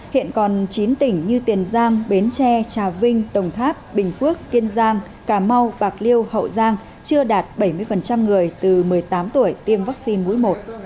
hiện còn chín tỉnh như tiền giang bến tre trà vinh đồng tháp bình phước kiên giang cà mau bạc liêu hậu giang chưa đạt bảy mươi người từ một mươi tám tuổi tiêm vaccine mũi một